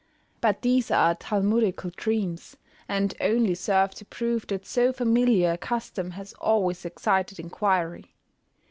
But these are Talmudical dreams, and only serve to prove that so familiar a custom has always excited inquiry.